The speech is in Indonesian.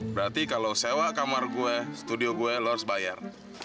berarti kalau sewa kamar gue studio gue lo harus bayar